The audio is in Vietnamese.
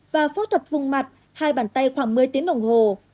và phẫu thuật vùng mặt hai bàn tay khoảng một mươi tiếng đồng hồ